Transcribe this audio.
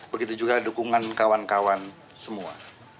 begitu juga dukungan kawan kawan semua